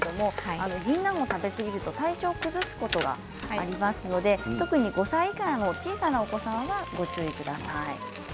ぎんなんは食べ過ぎると体調を崩すことがありますので特に５歳以下の小さなお子さんはご注意ください。